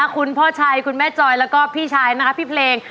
คุณพ่อชัยคุณแม่จอยแล้วก็พี่ชายนะคะพี่เพลง